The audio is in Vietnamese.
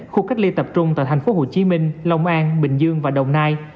khu cách ly tập trung tại thành phố hồ chí minh lòng an bình dương và đồng nai